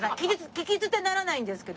聞き捨てならないんですけど